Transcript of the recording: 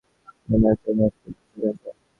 পূর্ণ নারীত্বের ভাব পূর্ণ স্বাধীনতা।